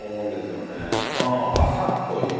バサッと言う。